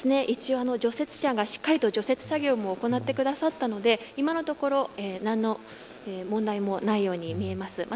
一応、除雪車が除雪作業も行ってくださったので今のところ何の問題もないように見えます。